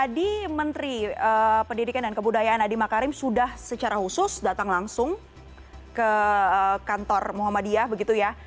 tadi menteri pendidikan dan kebudayaan adi makarim sudah secara khusus datang langsung ke kantor muhammadiyah begitu ya